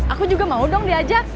aku juga mau dong diajak